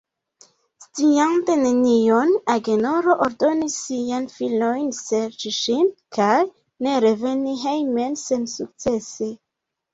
Sciante nenion, Agenoro ordonis siajn filojn serĉi ŝin, kaj ne reveni hejmen sensukcese.